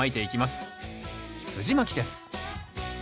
すじまきです。